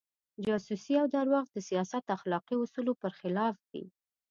جاسوسي او درواغ د سیاست اخلاقي اصولو پر خلاف دي.